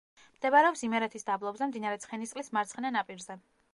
მდებარეობს იმერეთის დაბლობზე, მდინარე ცხენისწყლის მარცხენა ნაპირზე.